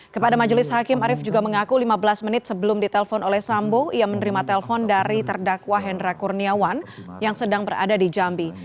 kepada majelis hakim arief juga mengaku lima belas menit sebelum ditelepon oleh sambo ia menerima telpon dari terdakwa hendra kurniawan yang sedang berada di jambi